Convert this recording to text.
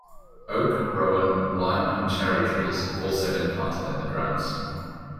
Oak, Rowan, Lime and Cherry trees have also been planted in the grounds.